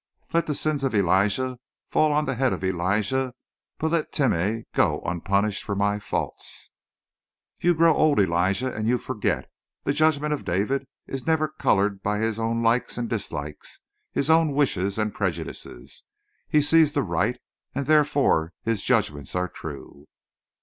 "Let the sins of Elijah fall on the head of Elijah, but let Timeh go unpunished for my faults." "You grow old, Elijah, and you forget. The judgment of David is never colored by his own likes and dislikes, his own wishes and prejudice. He sees the right, and therefore his judgments are true."